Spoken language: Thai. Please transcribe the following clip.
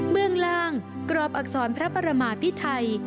เมืองล่างกรอบอักษรพระประมาพิไทย